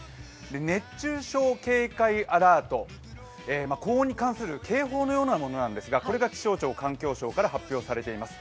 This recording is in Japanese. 熱中症警戒アラート、高温に関する警報のようなものですがこれが気象庁環境省から発表されています。